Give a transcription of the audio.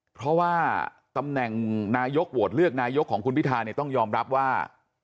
เพราะว่าตำแหน่งนายกโหวตเลือกนายกของคุณพิทาเนี่ยต้องยอมรับว่า